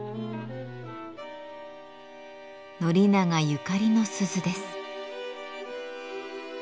宣長ゆかりの鈴です。